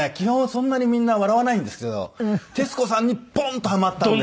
そんなにみんな笑わないんですけど徹子さんにポーンとはまったんで。